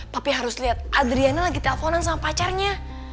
papi harus liat adriana lagi telfonan sama pacarnya